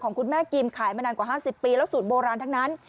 คุณแม่กิมขายมานานกว่า๕๐ปีแล้วสูตรโบราณทั้งนั้น